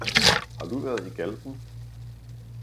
Har du været i Galten